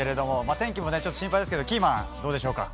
天気も心配ですけどキーマンどうでしょうか。